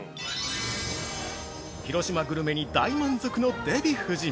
◆広島グルメに大満足のデヴィ夫人。